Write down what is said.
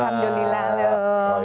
alhamdulillah tetap cantik